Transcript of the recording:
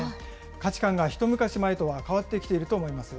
価値観が一昔前とは変わってきていると思います。